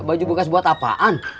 baju gue kasih buat apaan